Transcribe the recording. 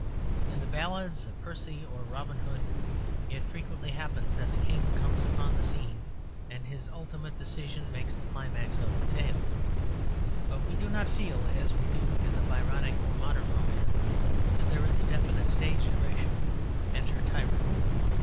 In the ballads of Percy or Robin Hood it frequently happens that the King comes upon the scene, and his ultimate decision makes the climax of the tale. But we do not feel, as we do in the Byronic or modern romance, that there is a definite stage direction "Enter Tyrant."